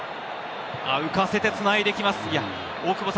浮かせてつないでいきます。